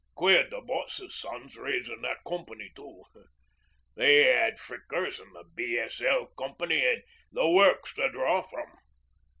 Queered the boss's sons raisin' that Company too. They 'ad Frickers an' the B.S.L. Co. an' the works to draw from.